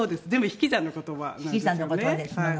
引き算の言葉ですものね。